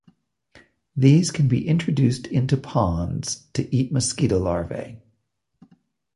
These can be introduced into ponds to eat mosquito larvae.